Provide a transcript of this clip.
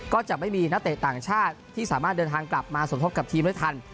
ก็จะไม่มีนักเตะต่างชาติที่สามารถเดินทางกลับมาสมทบกับทีมได้ทัน